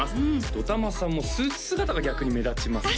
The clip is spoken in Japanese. ＤＯＴＡＭＡさんもスーツ姿が逆に目立ちますね